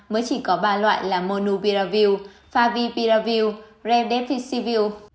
mới chỉ có ba loại là monupiravir favipiravir redephysivir